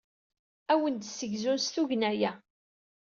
Ad awen-d-ssegzun s tugna-a.